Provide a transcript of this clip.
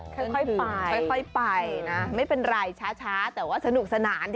ค่อยไปค่อยไปนะไม่เป็นไรช้าแต่ว่าสนุกสนาน